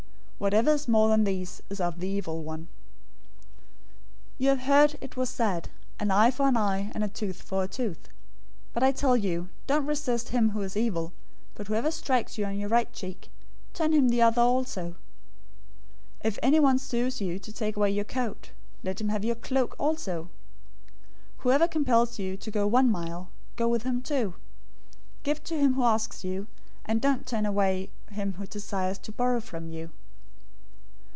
Whatever is more than these is of the evil one. 005:038 "You have heard that it was said, 'An eye for an eye, and a tooth for a tooth.'{Exodus 21:24; Leviticus 24:20; Deuteronomy 19:21} 005:039 But I tell you, don't resist him who is evil; but whoever strikes you on your right cheek, turn to him the other also. 005:040 If anyone sues you to take away your coat, let him have your cloak also. 005:041 Whoever compels you to go one mile, go with him two. 005:042 Give to him who asks you, and don't turn away him who desires to borrow from you.